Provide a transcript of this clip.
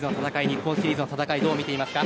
日本シリーズの戦いどう見ていますか。